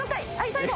最後